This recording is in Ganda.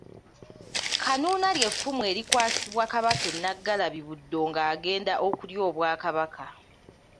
Kanuuna ly’Effumu erikwasibwa Kabaka e Nnaggalabi Buddo ng’agenda okulya Obwakabaka.